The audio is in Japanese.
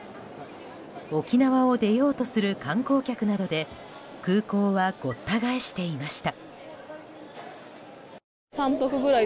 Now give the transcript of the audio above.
沖縄を出ようとする観光客などで空港はごった返していました。